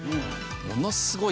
ものすごい